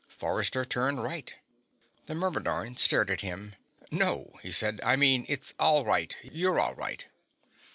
Forrester turned right. The Myrmidon stared at him. "No," he said. "I mean it's all right. You're all right."